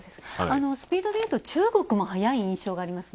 スピードでいうと中国も早い印象がありますね。